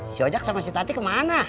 si ojek sama si tati kemana